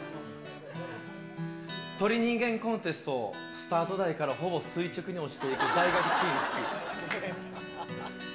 鳥人間コンテスト、スタート台からほぼ垂直に落ちていく大学チーム、好き。